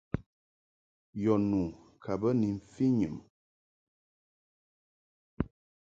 Yɔ nu ka bə ni mfɨnyum.